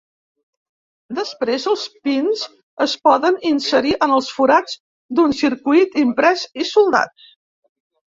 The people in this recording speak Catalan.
Després, els pins es poden inserir en els forats d'un circuit imprès i soldats.